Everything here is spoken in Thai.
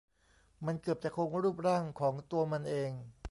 มันเกือบจะคงรูปร่างของตัวมันเอง